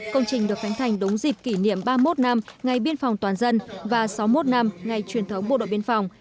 công trình được khánh thành đúng dịp kỷ niệm ba mươi một năm ngày biên phòng toàn dân và sáu mươi một năm ngày truyền thống bộ đội biên phòng